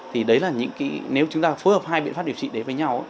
thì đấy là những cái nếu chúng ta phối hợp hai biện pháp điều trị đấy với nhau